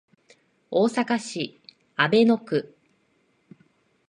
大阪市阿倍野区